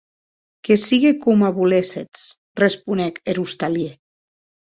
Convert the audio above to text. Que sigue coma voléssetz, responec er ostalièr.